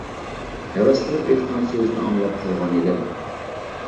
ھەۋەس قىلىپ ئېيتقان سۆزىنى ئاڭلاپ قالغان ئىدىم.